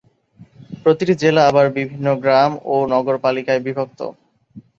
প্রতিটি জেলা আবার বিভিন্ন গ্রাম ও নগরপালিকায় বিভক্ত।